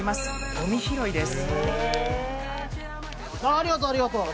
ごみ拾いです。